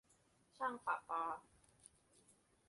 ช่างประปา